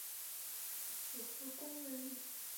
祖父龚文礼。